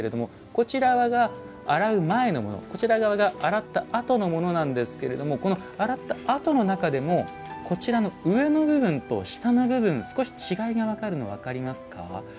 こちら側が洗う前のものこちら側が洗ったあとのものなんですけれどもこの洗ったあとの中でもこちらの上の部分と下の部分少し違いがあるの分かりますか。